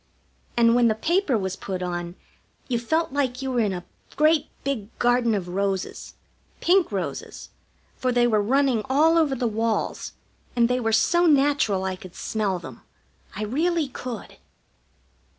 And when the paper was put on you felt like you were in a great big garden of roses; pink roses, for they were running all over the walls, and they were so natural I could smell them. I really could.